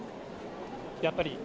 やっぱり。